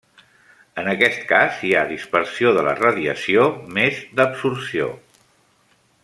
En aquest cas hi ha dispersió de la radiació més d'absorció.